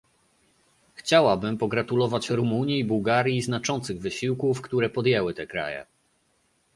Chciałabym pogratulować Rumunii i Bułgarii znaczących wysiłków, które podjęły te kraje